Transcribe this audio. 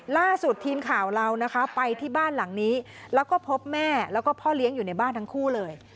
ล่าสุดทีมข่าวเรานะคะไปที่บ้านหลังนี้แล้วก็พบแม่แล้วก็พ่อเลี้ยงอยู่ในบ้านทั้งคู่เลย